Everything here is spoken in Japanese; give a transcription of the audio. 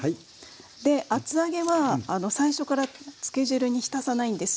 で厚揚げは最初からつけ汁に浸さないんですよ。